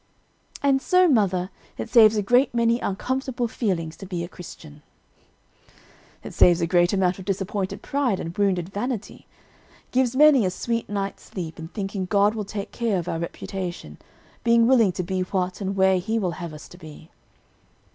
"And so, mother, it saves a great many uncomfortable feelings to be a Christian." "It saves a great amount of disappointed pride and wounded vanity, gives many a sweet night's sleep in thinking God will take care of our reputation, being willing to be what and where He will have us to be.